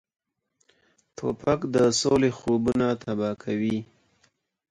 توپک د سولې خوبونه تباه کوي.